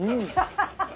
ハハハハ！